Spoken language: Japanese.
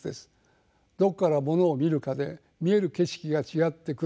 どこからものを見るかで見える景色が違ってくる。